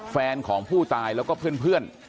แฟนของผู้ตายแล้วก็เพื่อน